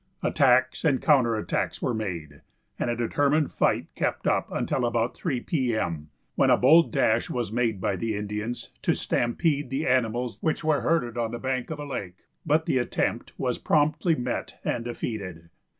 Attacks and counter attacks were made, and a determined fight kept up until about three p. m., when a bold dash was made by the Indians to stampede the animals which were herded on the banks of a lake, but the attempt was promptly met and defeated.